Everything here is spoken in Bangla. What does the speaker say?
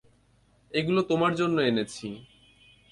এগুলো তোমার জন্য এনেছি।